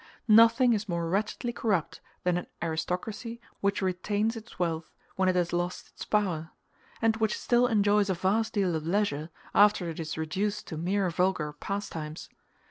Nothing is more wretchedly corrupt than an aristocracy which retains its wealth when it has lost its power, and which still enjoys a vast deal of leisure after it is reduced to mere vulgar pastimes.